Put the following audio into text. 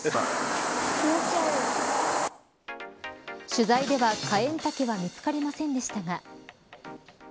取材では、カエンタケは見つかりませんでしたが。